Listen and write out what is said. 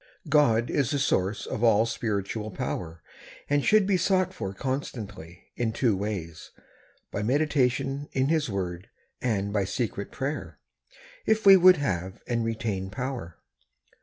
G od is the source of all spiritual power, and should be sought for constantly in two ways — by medi • tation in His word, and by secret prayer — if we would have and retain power.